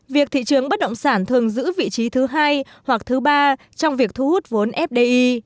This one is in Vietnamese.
việc thị trường bất động sản thường giữ vị trí thứ hai hoặc thứ ba trong việc thu hút vốn fdi